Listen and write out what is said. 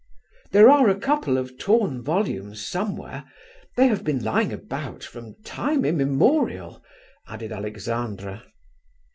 "There are a couple of torn volumes somewhere; they have been lying about from time immemorial," added Alexandra.